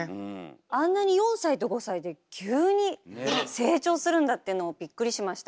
あんなに４歳と５歳で急に成長するんだっていうのをびっくりしました。